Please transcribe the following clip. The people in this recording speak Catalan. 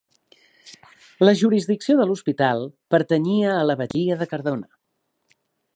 La jurisdicció de l'Hospital pertanyia a la Batllia de Cardona.